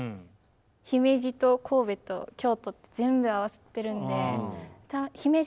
姫路と神戸と京都と全部合わさってるんで。